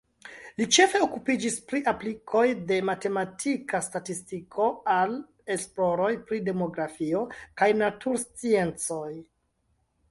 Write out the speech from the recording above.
Li ĉefe okupiĝis pri aplikoj de matematika statistiko al esploroj pri demografio kaj natursciencoj.